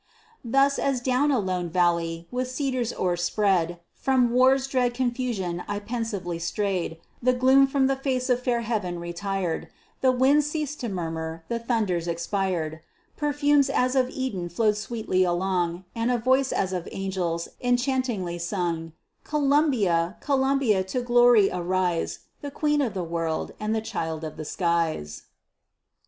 Thus, as down a lone valley, with cedars o'er spread, From war's dread confusion I pensively strayed, The gloom from the face of fair heaven retired; The winds ceased to murmur; the thunders expired; Perfumes as of Eden flowed sweetly along, And a voice as of angels, enchantingly sung: "Columbia, Columbia, to glory arise, The queen of the world, and the child of the skies."